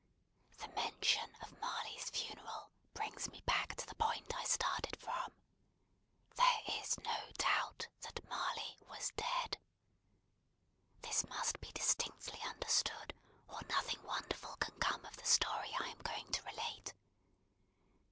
The mention of Marley's funeral brings me back to the point I started from. There is no doubt that Marley was dead. This must be distinctly understood, or nothing wonderful can come of the story I am going to relate.